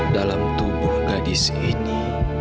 dalam tubuh gadis ini